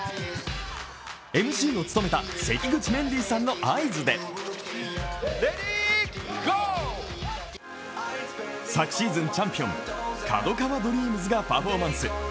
ＭＣを務めた関口メンディーさんの合図で昨シーズンチャンピオンカドカワドリームズがパフォーマンス。